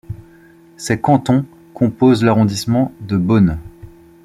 Ces cantons composent l'Arrondissement de Beaune.